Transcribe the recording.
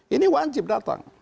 ini wajib datang